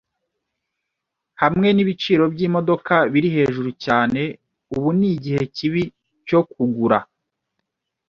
Hamwe nibiciro byimodoka biri hejuru cyane, ubu nigihe kibi cyo kugura.